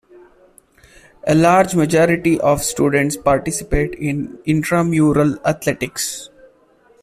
A large majority of students participate in intramural athletics.